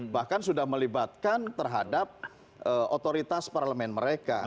bahkan sudah melibatkan terhadap otoritas parlemen mereka